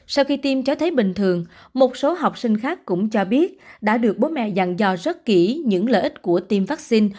sau khi tiêm cho thấy bình thường một số học sinh khác cũng cho biết đã được bố mẹ dặn dò rất kỹ những lợi ích của tiêm vaccine